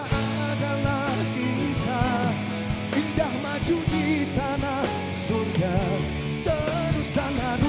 hati tak mampu mengetahkan